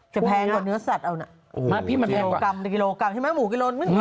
จะแพงกว่าเนื้อสัตว์เอานะโอ้โฮแค่กิโลกรัมใช่ไหมหมูกิโลกรัม